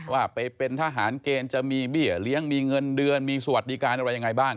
ว่าไปเป็นทหารเกณฑ์จะมีเบี้ยเลี้ยงมีเงินเดือนมีสวัสดิการอะไรยังไงบ้าง